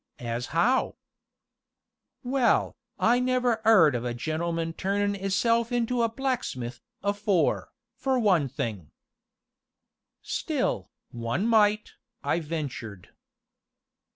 "As how?" "Well, I never 'eard of a gentleman turnin' 'isself into a blacksmith, afore, for one thing " "Still, one might," I ventured.